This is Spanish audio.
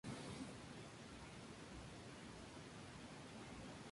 Como resultado de tales estudios se ordenó sacerdote de la iglesia católica.